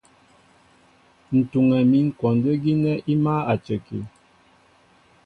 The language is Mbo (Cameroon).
Ǹ tuŋɛ mín kwɔndə́ gínɛ́ í mâ a cəki.